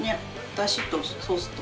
だしとソースと。